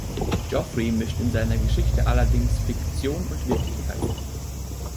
Geoffrey mischt in seiner Geschichte allerdings Fiktion und Wirklichkeit.